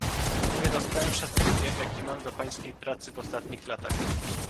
Mówię to z całym szacunkiem, jaki mam dla pańskiej pracy w ostatnich latach